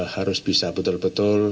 harus bisa betul betul